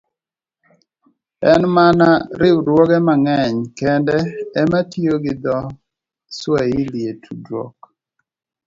En mana riwruoge mang'eny kende e ma tiyo gi dho - Swahili e tudruok,